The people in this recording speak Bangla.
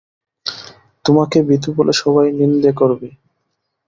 তোমাকে ভীতু বলে সবাই নিন্দে করবে।